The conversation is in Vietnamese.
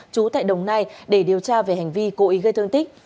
trú tại đồng nai để điều tra về hành vi cố ý gây thương tích